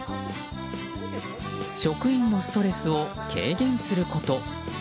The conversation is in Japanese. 職員のストレスを軽減すること。